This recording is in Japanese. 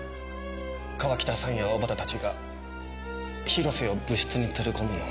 川北さんや小幡たちが広瀬を部室に連れ込むのを。